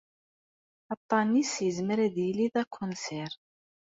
Aṭṭan-is izmer ad yili d akunsir.